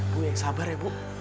bu yang sabar ya